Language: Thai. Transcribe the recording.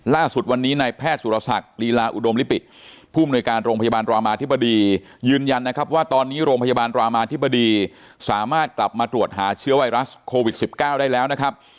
ล่าสุดวันนี้ในแพทย์สุรศักดิ์ลีลาอุดมลิปิผู้มนุยการโรงพยาบาลรามาธิบดียืนยันนะครับว่าตอนนี้โรงพยาบาลรามาธิบดีสามารถกลับมาตรวจหาเชื้อไวรัสโควิด๑๙ได้แล้วนะครับ